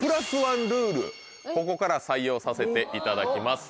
ここから採用させていただきます。